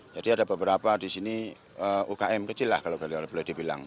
jadi ada beberapa di sini ukm kecil lah kalau boleh dibilang